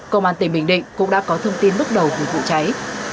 công an tỉnh bình định cũng đã có thông tin bước đầu về vụ cháy